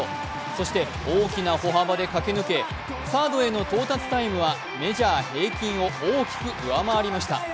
そして、大きな歩幅で駆け抜けサードへの到達タイムはメジャー平均を大きく上回りました。